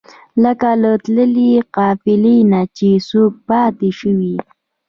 لکه له تللې قافلې نه چې څوک پاتې شوی وي.